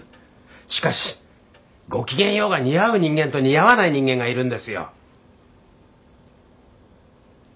しかし「ごきげんよう」が似合う人間と似合わない人間がいるんですよ。